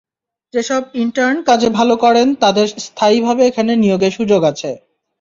যেসব ইন্টার্ন কাজে ভালো করেন, তাঁদের স্থায়ীভাবে এখানে নিয়োগের সুযোগ আছে।